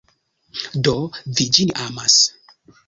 Do, vi ĝin amas?